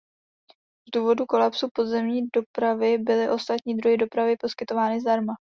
Z důvodu kolapsu podzemní dopravy byly ostatní druhy dopravy poskytovány zdarma.